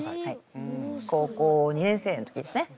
高校２年生の時ですね。